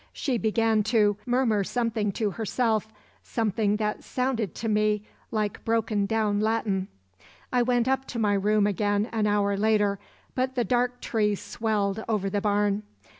She began to murmur something to herself, something that sounded to me like broken down Latin. "I went up to my room again an hour later, but the dark tree swelled over the barn.